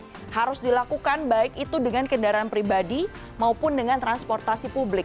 yang harus dilakukan baik itu dengan kendaraan pribadi maupun dengan transportasi publik